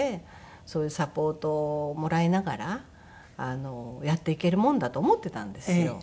そういうサポートをもらいながらやっていけるものだと思っていたんですよ。